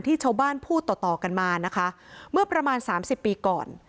ที่ชาวบ้านพูดต่อกันมาเมื่อประมาณ๓๐ปีก่อน